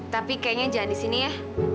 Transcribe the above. tapi kayaknya jangan di sini ya